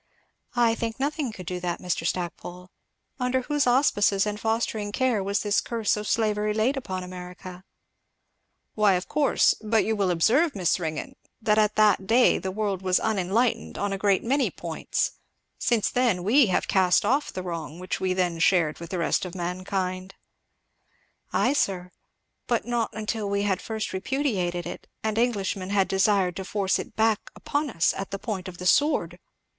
"I think nothing could do that, Mr. Stackpole. Under whose auspices and fostering care was this curse of slavery laid upon America?" "Why of course, but you will observe, Miss Ringgan, that at that day the world was unenlightened on a great many points; since then we have cast off the wrong which we then shared with the rest of mankind." "Ay sir, but not until we had first repudiated it and Englishmen had desired to force it back upon us at the point of the sword.